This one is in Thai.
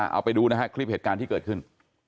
เอาไปดูนะฮะคลิปเหตุการณ์ที่เกิดขึ้น